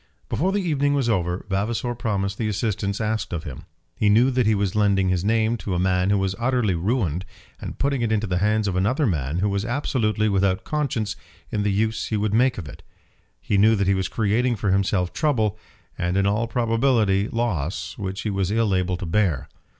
Before the evening was over Vavasor promised the assistance asked of him. He knew that he was lending his name to a man who was utterly ruined, and putting it into the hands of another man who was absolutely without conscience in the use he would make of it. He knew that he was creating for himself trouble, and in all probability loss, which he was ill able to bear.